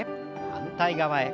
反対側へ。